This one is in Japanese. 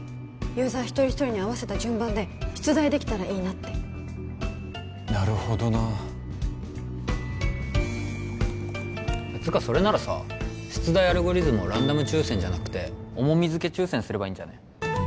ユーザー一人一人に合わせた順番で出題できたらいいなってなるほどなつかそれならさ出題アルゴリズムをランダム抽選じゃなくて重み付け抽選すればいいんじゃね？